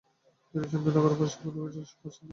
তিনি চন্দননগরে ফরাসী উপনিবেশের বাসিন্দা।